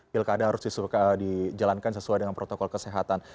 pilkada harus dijalankan sesuai dengan protokol kesehatan